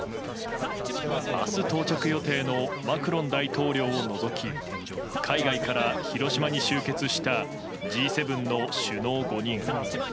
明日到着予定のマクロン大統領を除き海外から広島に集結したＧ７の首脳５人。